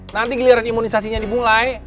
nanti giliran imunisasinya dimulai